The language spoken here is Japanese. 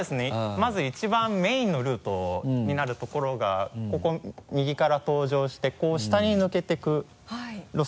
まず一番メインのルートになるところがここ右から登場してこう下に抜けていく路線。